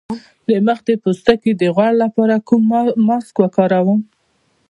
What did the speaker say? د مخ د پوستکي د غوړ لپاره کوم ماسک وکاروم؟